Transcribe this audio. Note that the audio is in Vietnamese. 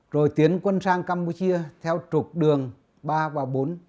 rồi tiến quân sang campuchia theo trục đường ba và bốn